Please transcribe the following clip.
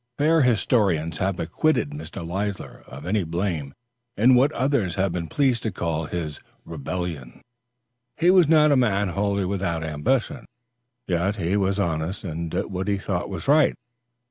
Fair historians have acquitted Mr. Leisler of any blame in what others have been pleased to call his usurpation. He was a man not wholly without ambition, yet he was honest and did what he thought right.